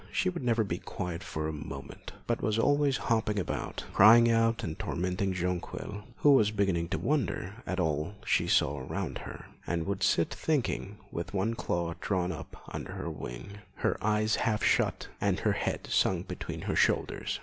She would never be quiet for a moment, but was always hopping about, crying out and tormenting Jonquil, who was beginning to wonder at all she saw around her, and would sit thinking with one claw drawn up under her wing, her eyes half shut, and her head sunk between her shoulders.